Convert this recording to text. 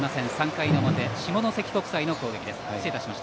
３回の表、下関国際の攻撃です。